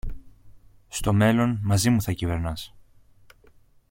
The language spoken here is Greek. Στο μέλλον, μαζί μου θα κυβερνάς.